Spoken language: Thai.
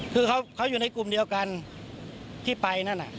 คือเขาอยู่ในกลุ่มเดียวกันที่ไปนั่น